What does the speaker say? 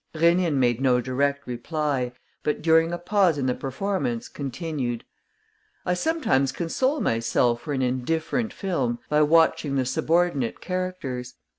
Rénine made no direct reply, but, during a pause in the performance, continued: "I sometimes console myself for an indifferent film by watching the subordinate characters.